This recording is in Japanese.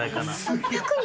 ６００人。